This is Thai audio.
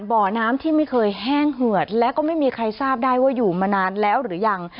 บ่อน้ำที่ไม่เคยแห้งเหือดและก็ไม่มีใครทราบได้ว่าอยู่มานานแล้วหรือยัง